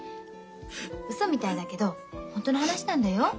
うそみたいだけどホントの話なんだよ。